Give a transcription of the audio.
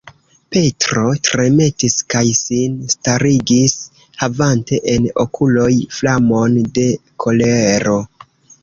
Petro tremetis kaj sin starigis, havante en okuloj flamon de kolero.